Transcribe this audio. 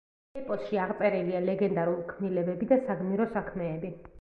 ეპოსში აღწერილია ლეგენდარულ ქმნილებები და საგმირო საქმეები.